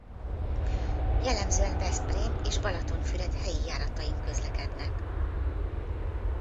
Jellemzően Veszprém és Balatonfüred helyi járatain közlekednek.